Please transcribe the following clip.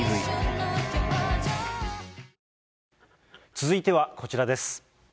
続いてはこちらです。